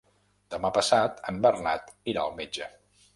Demà passat en Bernat irà al metge.